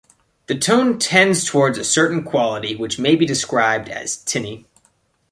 The tone tends towards a certain quality which may be described as tinny.